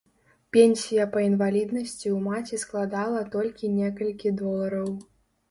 Пенсія па інваліднасці ў маці складала толькі некалькі долараў.